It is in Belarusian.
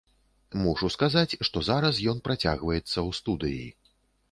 Мушу сказаць, што зараз ён працягваецца ў студыі.